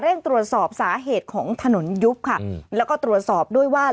ตรวจสอบสาเหตุของถนนยุบค่ะแล้วก็ตรวจสอบด้วยว่า